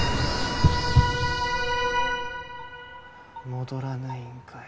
戻らないんかい